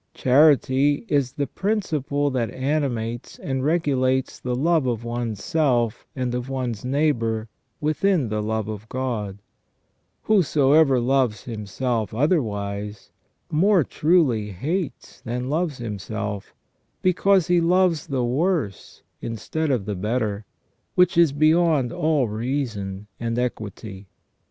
Charity is the principle that animates and regulates the love of one's self and of one's neighbour within the love of God; whosoever loves himself otherwise more truly hates than loves himself, because he loves the worse instead of the better, which is beyond all reason and equity.